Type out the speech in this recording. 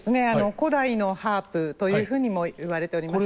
古代のハープというふうにもいわれております。